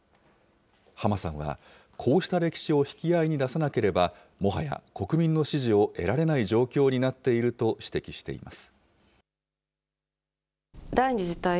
浜さんはこうした歴史を引き合いに出さなければ、もはや国民の支持を得られない状況になっていると指摘しています。